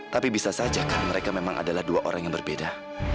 tapi bisa saja kan mereka memang adalah dua orang yang berbeda